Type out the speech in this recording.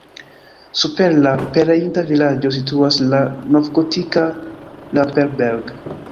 Super la pereinta vilaĝo situas la novgotika Lampelberg.